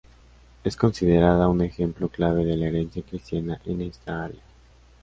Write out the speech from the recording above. Es considerada un ejemplo clave de la herencia cristiana en esta área.